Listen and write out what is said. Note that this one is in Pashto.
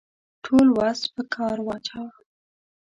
ټول وس په کار واچاوه.